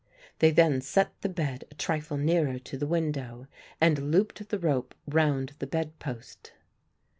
They then set the bed a trifle nearer to the window and looped the rope round the bed post.